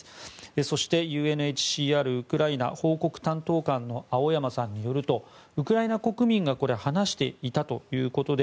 そして、ＵＮＨＣＲウクライナ報告担当官の青山さんによるとウクライナ国民が話していたということで